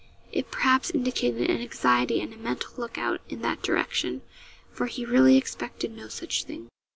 It, perhaps, indicated an anxiety and a mental look out in that direction, for he really expected no such thing.